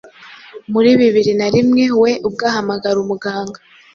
muri bibiri na rimwe we ubwe ahamagara umuganga